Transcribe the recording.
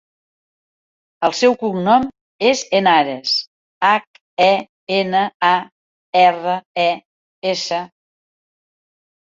El seu cognom és Henares: hac, e, ena, a, erra, e, essa.